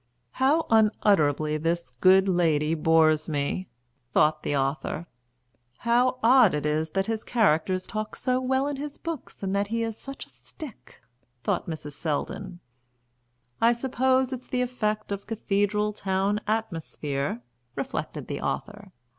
"How unutterably this good lady bores me!" thought the author. "How odd it is that his characters talk so well in his books, and that he is such a stick!" thought Mrs. Selldon. "I suppose it's the effect of cathedral town atmosphere," reflected the author.